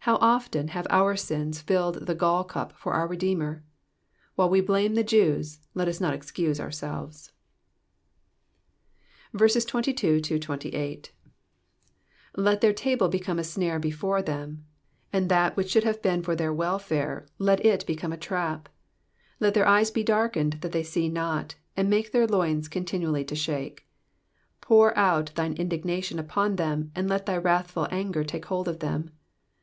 How often have our sins filled the gall cup for our Redeemer ? While we blame the Jews, let us not excuse ourselves. 22 Let their table become a snare before them : and iAat which should have been for their welfare, let it become a trap. 23 Let their eyes be darkened, that they see not ; and make their loins continually to shake. 24 Pour out thine indignation upon them, and let thy wrath ful anger take hold of them.